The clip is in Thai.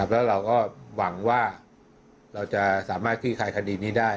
แล้วเราก็หวังว่าเราจะสามารถคลี่คลายคดีนี้ได้